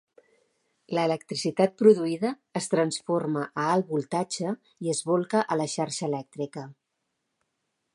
L'electricitat produïda es transforma a alt voltatge i es bolca a la xarxa elèctrica.